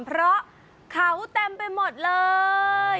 เพราะเขาเต็มไปหมดเลย